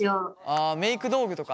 あメーク道具とか？